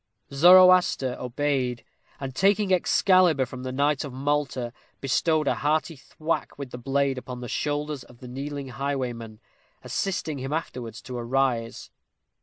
Zoroaster obeyed; and, taking Excalibur from the knight of Malta, bestowed a hearty thwack with the blade upon the shoulders of the kneeling highwayman, assisting him afterwards to arise.